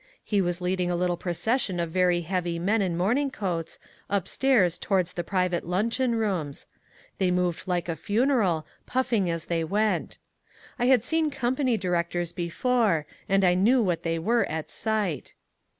He was leading a little procession of very heavy men in morning coats, upstairs towards the private luncheon rooms. They moved like a funeral, puffing as they went. I had seen company directors before and I knew what they were at sight.